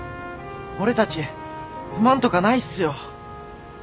俺たち不満とかないっすよ。